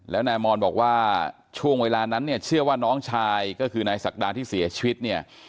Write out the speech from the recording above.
แล้วนายมอนบอกว่าช่วงเวลานั้นเนี่ยเชื่อว่าน้องชายก็คือนายศักดาที่เสียชีวิตเนี่ย